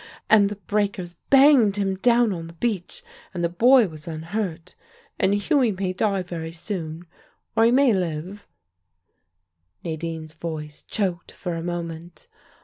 and the breakers banged him down on the beach, and the boy was unhurt. And Hughie may die very soon, or he may live " Nadine's voice choked for a moment.